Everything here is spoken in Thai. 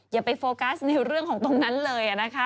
อย่าไปโฟกัสในเรื่องของตรงนั้นเลยนะคะ